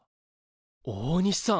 大西さん！